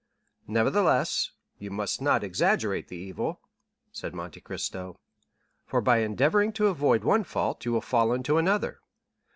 "Nevertheless, you must not exaggerate the evil," said Monte Cristo, "for by endeavoring to avoid one fault you will fall into another.